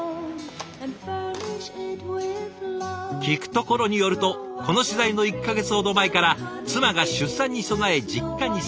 聞くところによるとこの取材の１か月ほど前から妻が出産に備え実家に里帰り。